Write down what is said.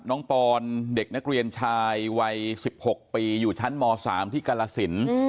ปอนเด็กนักเรียนชายวัย๑๖ปีอยู่ชั้นม๓ที่กรสิน